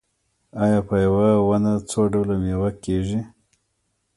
آیا په یوه ونه څو ډوله میوه کیږي؟